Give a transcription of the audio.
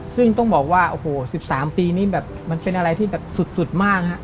ซึ่งต้องบอกว่า๑๓ปีนี้มันเป็นอะไรที่สุดมาก